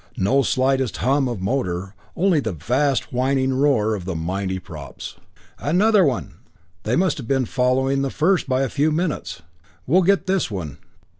No slightest hum of motor, only the vast whining roar of the mighty props. "Another one! They must have been following the first by a few minutes. We'll get this one!"